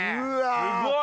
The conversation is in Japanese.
すごい！